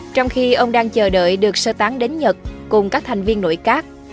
trong khi ông đang chờ đợi được sơ tán đến nhật cùng các thành viên nội các